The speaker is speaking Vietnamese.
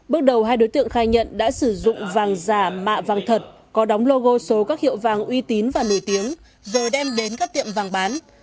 bước đầu hai đối tượng khai nhận đã sử dụng vàng giả mạ vàng thật có đóng logo số các hiệu vàng uy tín và nổi tiếng rồi đem đến các tiệm vàng bán